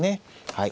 はい。